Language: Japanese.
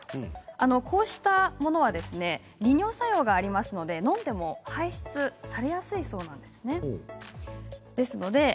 こうしたものは利尿作用がありますので飲んでも排出されやすいそうなんです。